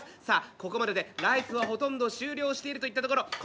さあここまででライスはほとんど終了しているといったところ。